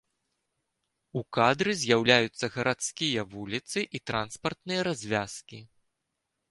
У кадры з'яўляюцца гарадскія вуліцы і транспартныя развязкі.